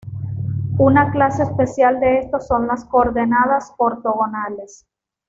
Una clase especial de estos son las coordenadas ortogonales.